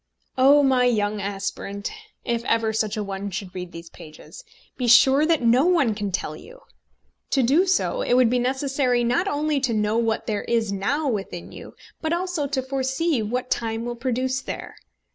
Oh, my young aspirant, if ever such a one should read these pages, be sure that no one can tell you! To do so it would be necessary not only to know what there is now within you, but also to foresee what time will produce there.